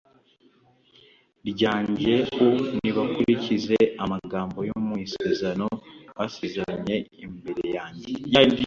ryanjye u ntibakurikize amagambo yo mu isezerano basezeraniye imbere yanjye